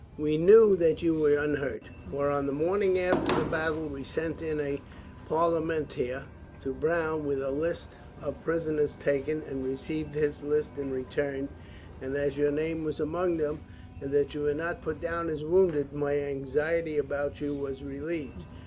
"We knew that you were unhurt, for on the morning after the battle we sent in a parlementaire to Browne with the list of prisoners taken, and received his list in return; and as your name was among them, and you were not put down as wounded, my anxiety about you was relieved.